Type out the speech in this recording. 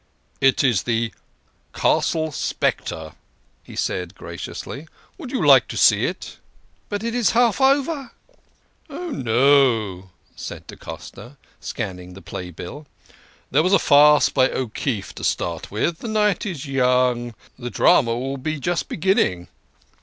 "It is The Castle Spectre," he said graciously. "Would you like to see it?" "But it is half over " "Oh, no," said da Costa, scanning the play bill. "There was a farce by O'Keefe to start with. The night is yet young. The drama will be just beginning."